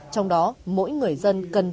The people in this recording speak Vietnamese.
trong đó mỗi người dân cần tự nhiên